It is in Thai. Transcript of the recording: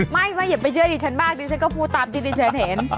ไม่ก็อย่าไปเชื่อดิฉันมากดิฉันก็พูดตามที่ดิฉันเห็น